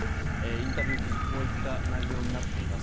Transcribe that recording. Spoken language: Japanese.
インタビュー記事こういった内容になっています。